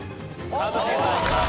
一茂さんいきます。